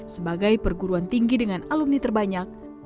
sebagai perguruan tinggi dengan alumni terbanyak